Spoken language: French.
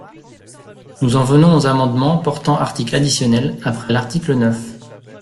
Nous en venons aux amendements portant article additionnel après l’article neuf.